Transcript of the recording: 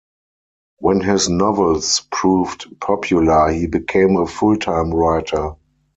When his novels proved popular, he became a full-time writer.